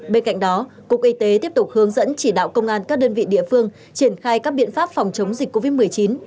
bên cạnh đó cục y tế tiếp tục hướng dẫn chỉ đạo công an các đơn vị địa phương triển khai các biện pháp phòng chống dịch covid một mươi chín